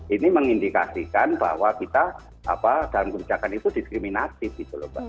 ini mengindikasikan bahwa kita dalam kebijakan itu diskriminatif gitu loh mbak